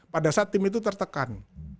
pada saat tim itu tertekan